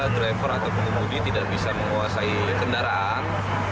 driver atau pengemudi tidak bisa menguasai kendaraan